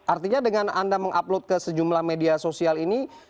artinya dengan anda mengupload ke sejumlah media sosial ini